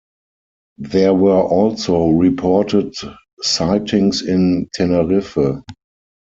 There were also reported sightings in Tenerife.